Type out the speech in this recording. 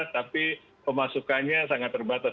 tapi pemasukannya sangat terbatas